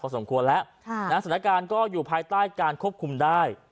สถานการณ์ก็อยู่ภายใต้การควบคุมได้